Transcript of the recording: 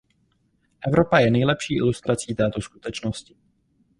Evropa je nejlepší ilustrací této skutečnosti.